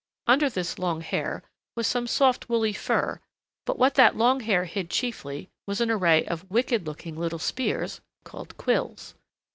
Under this long hair was some soft woolly fur, but what that long hair hid chiefly was an array of wicked looking little spears called quills.